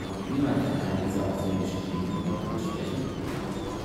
Niemand kann all diese ausländischen Städte korrekt aussprechen.